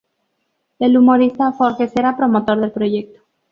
El humorista Forges era promotor del proyecto.